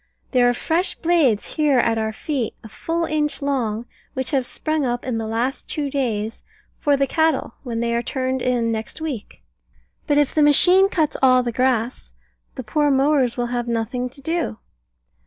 There are fresh blades, here at our feet, a full inch long, which have sprung up in the last two days, for the cattle when they are turned in next week. But if the machine cuts all the grass, the poor mowers will have nothing to do.